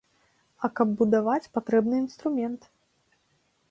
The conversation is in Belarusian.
А каб будаваць, патрэбны інструмент.